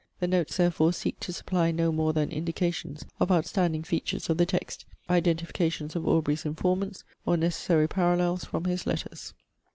The notes therefore seek to supply no more than indications of outstanding features of the text, identifications of Aubrey's informants, or necessary parallels from his letters.